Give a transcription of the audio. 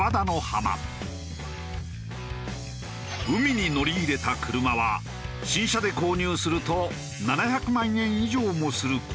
海に乗り入れた車は新車で購入すると７００万円以上もする高級外車。